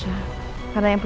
ya papa suki